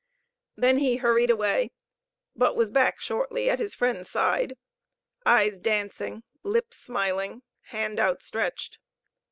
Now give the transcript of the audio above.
Then he hurried away, but was back shortly at his friend's side, eyes dancing, lips smiling, hand outstretched.